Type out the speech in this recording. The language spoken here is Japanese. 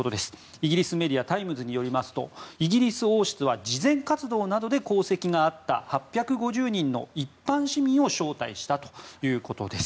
イギリスメディアタイムズによりますとイギリス王室は慈善活動などで功績があった８５０人の一般市民を招待したということです。